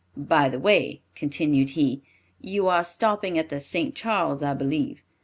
"By the way," continued he, "you are stopping at the St. Charles, I believe.